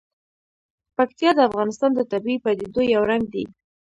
پکتیا د افغانستان د طبیعي پدیدو یو رنګ دی.